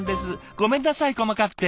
ごめんなさい細かくて。